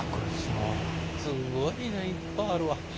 すごいねいっぱいあるわ。